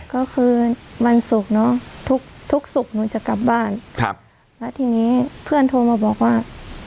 ก็คือวันศุกร์เนอะทุกทุกศุกร์หนูจะกลับบ้านครับแล้วทีนี้เพื่อนโทรมาบอกว่า